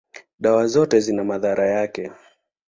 dawa zote zina madhara yake.